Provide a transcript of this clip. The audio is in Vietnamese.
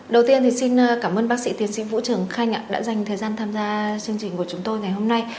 đầu tiên thì xin cảm ơn bác sĩ tiến sĩ vũ trường khanh đã dành thời gian tham gia chương trình của chúng tôi ngày hôm nay